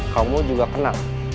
kamu juga kena